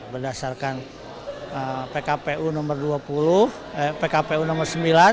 berdasarkan pkpu nomor sembilan